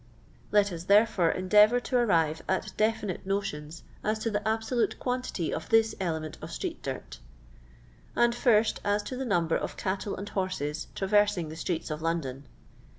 Let us, therefore, endeavour to arrive at de finite notions as to the absolute quantity of thif element of street^irt And, first, as to the number of cattle and hones traversing the streeto of London.